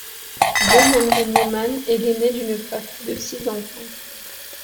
John Henry Newman est l'aîné d'une fratrie de six enfants.